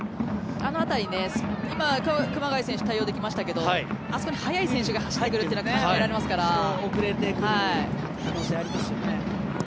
あの辺り今、熊谷選手が対応できましたけどあそこに速い選手が入ってくる可能性もありますから。